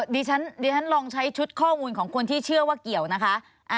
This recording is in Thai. ดิฉันลองใช้ชุดข้อมูลของคนที่เชื่อว่าเกี่ยวนะคะ